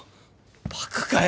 バカかよ